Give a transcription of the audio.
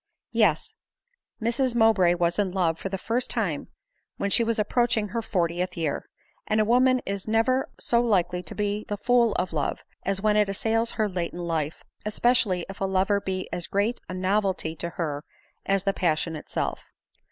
Yes ; Mrs Mowbray was in love for the first time when she was approaching her fortieth year ! and a woman is never so likely to be the fool of love, as when it assails her late in life, especial ly if a lover be as great a novelty to her as the passion itself.